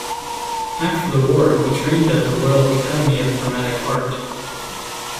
After the war he trained at the Royal Academy of Dramatic Art.